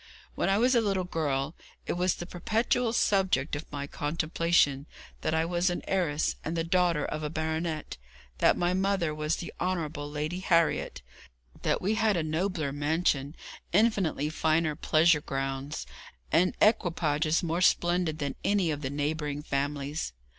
When I was a little girl, it was the perpetual subject of my contemplation that I was an heiress, and the daughter of a baronet; that my mother was the Honourable Lady Harriet; that we had a nobler mansion, infinitely finer pleasure grounds, and equipages more splendid than any of the neighbouring families.